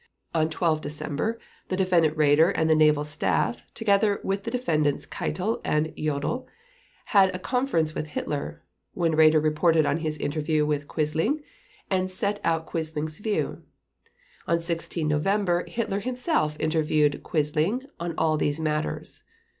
On 12 December the Defendant Raeder and the naval staff, together with the Defendants Keitel and Jodl, had a conference with Hitler, when Raeder reported on his interview with Quisling, and set out Quisling's views. On 16 December Hitler himself interviewed Quisling on all these matters.